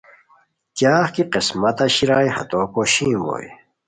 کیاغ کی قسمتہ شیرائے ہتو پوشین بوئے